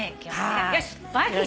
よし！